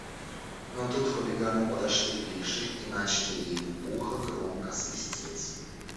Но тут хулиганы подошли ближе и начали ей в ухо громко свистеть.